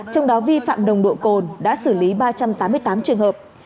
trong đó vi phạm nồng độ cồn đã xử lý ba trăm tám mươi tám trường hợp